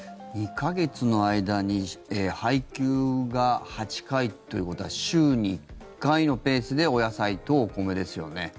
２か月の間に配給が８回ということは週に１回のペースでお野菜とお米ですよね。